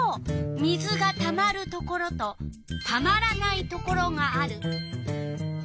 水がたまるところとたまらないところがある。